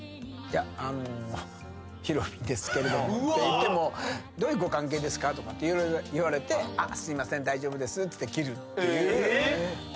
あのヒロミですけれどもって言っても「どういうご関係ですか？」とかって色々言われてすいません大丈夫ですっつって切る。